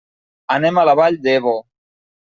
Anem a la Vall d'Ebo.